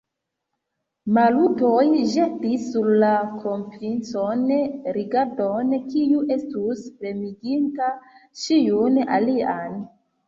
Maluto ĵetis sur la kronprincon rigardon, kiu estus tremiginta ĉiun alian.